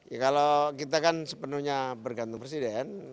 ya kalau kita kan sepenuhnya bergantung presiden